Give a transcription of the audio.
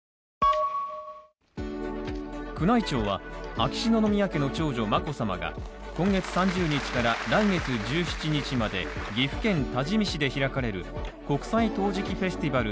宮内庁は、秋篠宮家の長女・眞子さまが、今月３０日から来月１７日まで、岐阜県多治見市で開かれる国際陶磁器フェスティバル